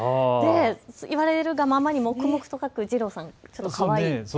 言われるがままに黙々と描く二郎さん、かわいい。